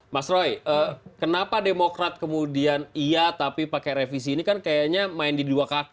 mas roy kenapa demokrat kemudian iya tapi pakai revisi ini kan kayaknya main di dua kaki